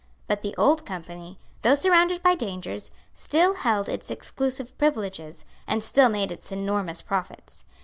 But the Old Company, though surrounded by dangers, still held its exclusive privileges, and still made its enormous profits.